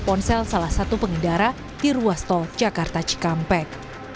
ponsel salah satu pengendara di ruas tol jakarta cikampek